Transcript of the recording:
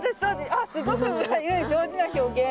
あっすごく上手な表現。